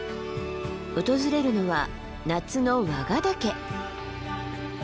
訪れるのは夏の和賀岳。